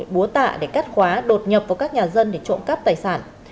búa tạ để cắt khóa đột nhập vào các nhà dân để trộm cắp tài sản